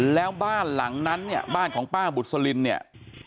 แล้วบ้านหลังนั้นเนี่ยบ้านของป้าบุษลินเนี่ย